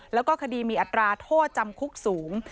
แล้วก็คดีมีอัตราโทษจำคุกสูง